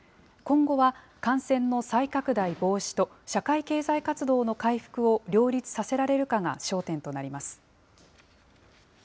今後は感染の再拡大防止と社会経済活動の回復を両立させられるかが焦点となります。